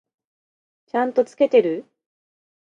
ちゃんと付けてる？